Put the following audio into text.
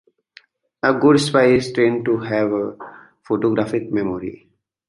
A good spy is trained to have a photographic memory.